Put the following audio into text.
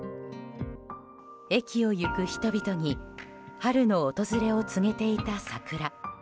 駅を行く人々に春の訪れを告げていた桜。